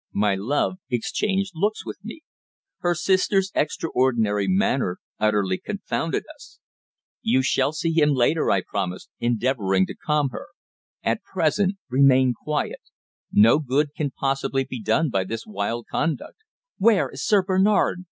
My love exchanged looks with me. Her sister's extraordinary manner utterly confounded us. "You shall see him later," I promised, endeavouring to calm her. "At present remain quiet. No good can possibly be done by this wild conduct." "Where is Sir Bernard?"